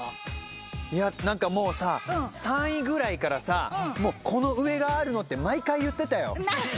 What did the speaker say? いや何かもうさ３位ぐらいからさこの上があるの？って毎回言ってたよ。